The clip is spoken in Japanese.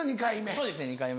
そうですね２回目。